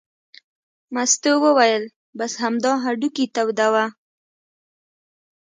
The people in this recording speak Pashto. مستو وویل: بس همدا هډوکي تودوه.